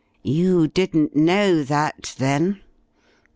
You didn't know that, then?